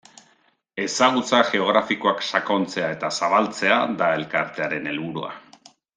Ezagutza geografikoak sakontzea eta zabaltzea da elkartearen helburua.